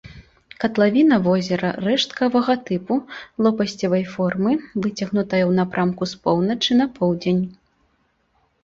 Катлавіна возера рэшткавага тыпу, лопасцевай формы, выцягнутая ў напрамку з поўначы на поўдзень.